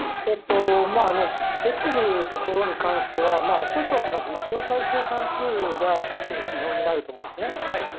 できているところに関しては実効再生産数が１つの指標になると思うんですね。